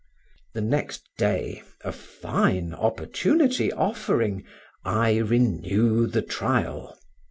The next day (a fine opportunity offering) I renew the trial.